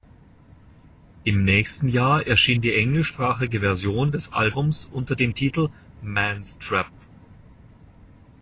Im nächsten Jahr erschien die englischsprachige Version des Albums unter dem Titel "Mans Trap".